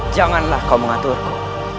janganlah kau mengaturku